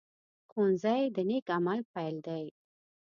ښوونځی د نیک عمل پيل دی